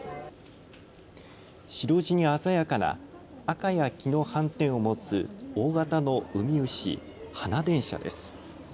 白地に鮮やかな赤や黄の斑点を持つ大型のウミウシ、ハナデンシャです。